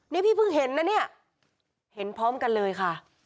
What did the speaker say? นี่พี่เพิ่งเห็นนะเนี่ยเห็นพร้อมกันเลยค่ะ